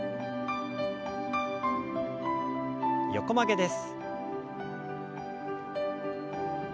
横曲げです。